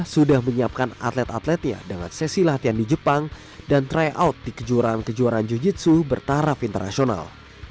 sudah menyiapkan atlet atletnya dengan sesi latihan di jepang dan tryout di kejuaraan kejuaraan jiu jitsu bertaraf internasional